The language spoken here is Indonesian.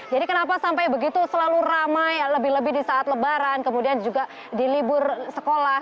jadi kenapa sampai begitu selalu ramai lebih lebih di saat lebaran kemudian juga di libur sekolah